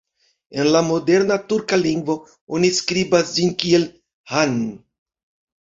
En la moderna turka lingvo oni skribas ĝin kiel "han".